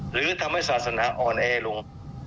หรือทำให้ศาสนาอ่อนแอลง